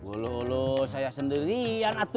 ulu ulu saya sendirian atu